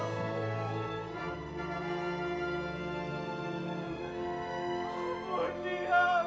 amat gagal sebagai suami ya allah